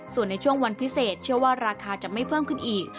ส่วนในช่วงวันพิเศษเชื่อว่าราคาจะไม่เพิ่มขึ้นอีก